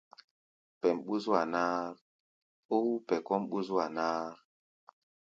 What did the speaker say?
Pɛʼm ɓú-zua-náár ou pɛ kɔ́ʼm ɓú-zúa-náár.